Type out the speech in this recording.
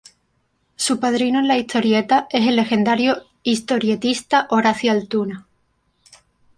Su padrino en la historieta es el legendario historietista Horacio Altuna.